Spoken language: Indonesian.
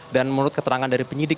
dan menurut keterangan dari penyidik